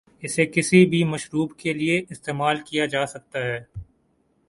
اسے کسی بھی مشروب کے لئے استعمال کیا جاسکتا ہے ۔